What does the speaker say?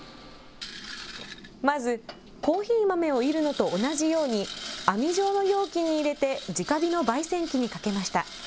まず、コーヒー豆をいるのと同じように、網状の容器に入れて、じか火のばい煎機にかけました。